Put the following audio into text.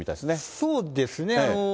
そうですね。